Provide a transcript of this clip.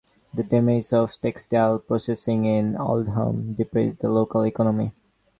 The demise of textile processing in Oldham depressed the local economy.